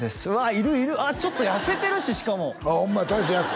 いるいるちょっと痩せてるししかもああホンマや大成